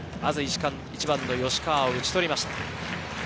１番・吉川を打ち取りました。